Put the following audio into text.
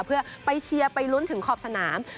เพื่อไปเชียร์ไปลุ้นถึงขอบสนาม